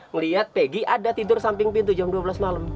melihat peggy ada tidur samping pintu jam dua belas malam